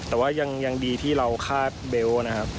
แต่ว่ายังดีที่เราคาดเบลต์นะครับ